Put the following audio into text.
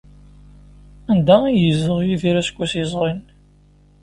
Anda ay yezdeɣ Yidir aseggas yezrin?